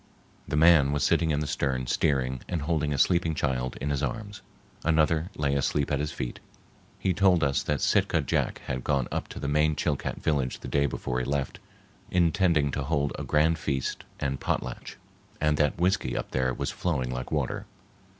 The man was sitting in the stern steering and holding a sleeping child in his arms. Another lay asleep at his feet. He told us that Sitka Jack had gone up to the main Chilcat village the day before he left, intending to hold a grand feast and potlatch, and that whiskey up there was flowing like water.